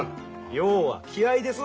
要は気合いです。